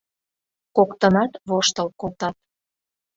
Коктынат воштыл колтат.